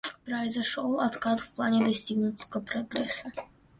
Произошел откат в плане достигнутого прогресса.